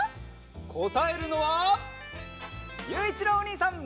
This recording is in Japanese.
こたえるのはゆういちろうおにいさん！